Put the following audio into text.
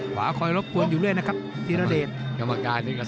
ขวาคอยรบกวนอยู่เลยนะครับทีระเดชน์